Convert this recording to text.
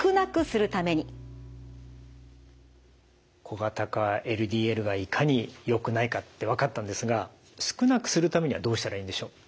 小型化ＬＤＬがいかによくないかって分かったんですが少なくするためにはどうしたらいいんでしょう？